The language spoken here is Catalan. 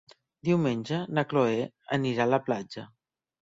Diumenge na Chloé anirà a la platja.